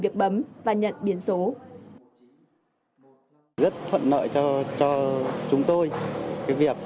các lưu lượng phương tiện